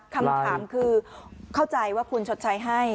คำถามคือเข้าใจว่าคุณชดใช้ให้